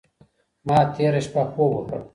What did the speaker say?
ما تېره شپه خوب وکړ.